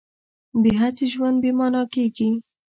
بې هڅې ژوند بې مانا کېږي.